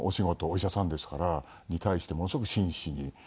お医者さんですから。に対してものすごく真摯に。